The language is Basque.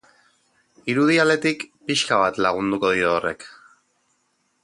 Irudi aldetik, pixka bat lagunduko dio horrek.